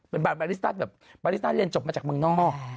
เป็นบานบาริสต้าแบบบาริต้าเรียนจบมาจากเมืองนอก